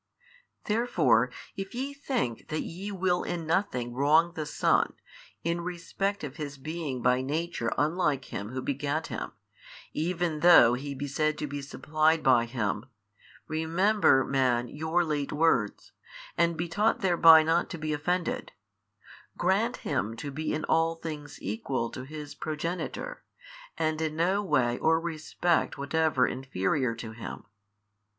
Therefore if ye think that ye will in nothing wrong the Son, in respect of His being by Nature unlike Him Who begat Him, even though He be said to be supplied by Him, remember, man, your late words, and be taught thereby not to be offended: grant Him to be in all things Equal to His Progenitor, and in no way or respect whatever inferior to Him.